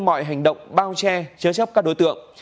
mọi hành động bao che chớ chấp các đối tượng